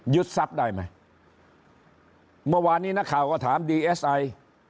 ทรัพย์ได้ไหมเมื่อวานนี้นักข่าวก็ถามดีเอสไอ